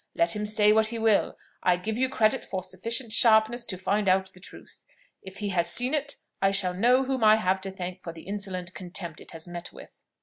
Let him say what he will, I give you credit for sufficient sharpness to find out the truth. If he has seen it, I shall know whom I have to thank for the insolent contempt it has met with."